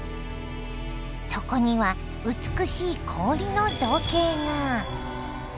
そこには美しい氷の造形が。